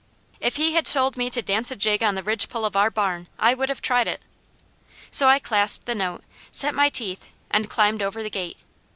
If he had told me to dance a jig on the ridgepole of our barn, I would have tried it. So I clasped the note, set my teeth, and climbed over the gate.